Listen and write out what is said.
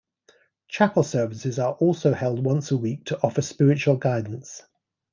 Chapel services are also held once a week to offer spiritual guidance.